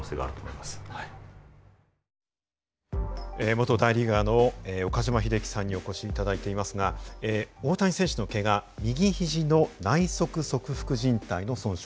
元大リーガーの岡島秀樹さんにお越しいただいていますが大谷選手のけが右ひじの内側側副じん帯の損傷。